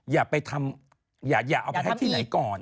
อย่าไปทำอย่าเอาไปให้ที่ไหนก่อน